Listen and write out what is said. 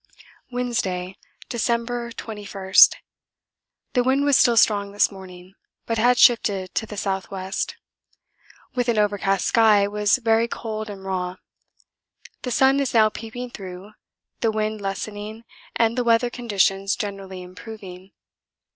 Wednesday, December 21. The wind was still strong this morning, but had shifted to the south west. With an overcast sky it was very cold and raw. The sun is now peeping through, the wind lessening and the weather conditions generally improving.